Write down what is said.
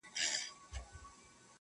بیا به دی او خپله توره طویله سوه!.